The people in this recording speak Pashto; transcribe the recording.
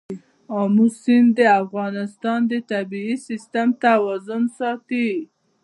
آمو سیند د افغانستان د طبعي سیسټم توازن ساتي.